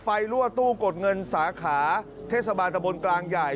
รั่วตู้กดเงินสาขาเทศบาลตะบนกลางใหญ่